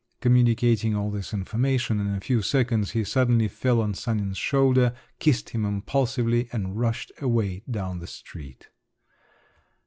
Communicating all this information in a few seconds, he suddenly fell on Sanin's shoulder, kissed him impulsively, and rushed away down the street.